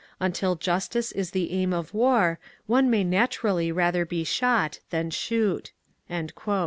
Until justice is the aim of war one may naturally rather be shot than shoot."